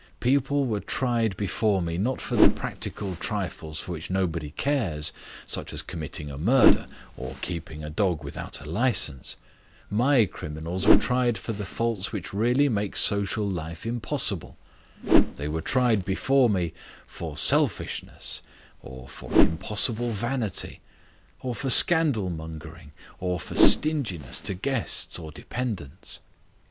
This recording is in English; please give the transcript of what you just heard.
People were tried before me not for the practical trifles for which nobody cares, such as committing a murder, or keeping a dog without a licence. My criminals were tried for the faults which really make social life impossible. They were tried before me for selfishness, or for an impossible vanity, or for scandalmongering, or for stinginess to guests or dependents.